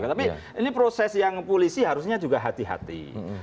tapi ini proses yang polisi harusnya juga hati hati